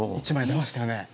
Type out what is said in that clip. １枚出ましたよね。